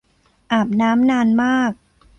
อาบน้ำนานมาก